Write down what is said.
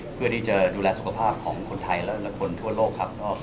เพื่อที่จะดูแลสุขภาพของคนไทยและคนทั่วโลกครับ